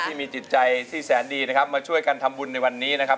ที่มีจิตใจที่แสนดีนะครับมาช่วยกันทำบุญในวันนี้นะครับ